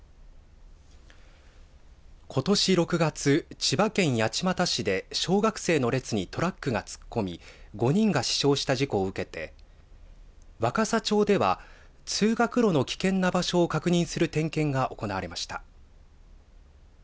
ことし６月、千葉県八街市で小学生の列にトラックが突っ込み５人が死傷した事故を受けて若狭町では通学路の危険な場所を確認する点検が行われました。